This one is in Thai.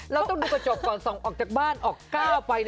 ต้องดูกระจกก่อนส่องออกจากบ้านออกก้าวไป